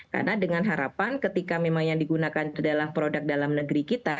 karena dengan harapan ketika memang yang digunakan adalah produk dalam negeri kita